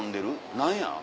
何や？